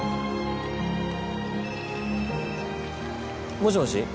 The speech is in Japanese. もしもし。